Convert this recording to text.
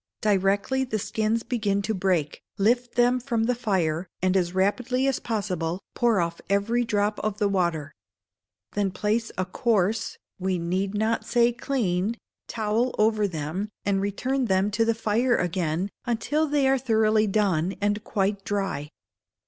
Directly the skins begin to break, lift them from the fire, and as rapidly as possible pour off every drop of the water. Then place a coarse (we need not say clean) towel over them, and return them to the fire again until they are thoroughly done, and quite dry.